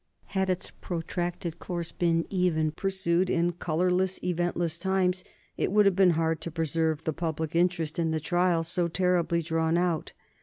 Had its protracted course been even pursued in colorless, eventless times it would have been hard to preserve the public interest in the trial so terribly drawn out.